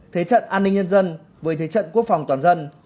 thế trận an ninh nhân dân với thế trận quốc phòng toàn dân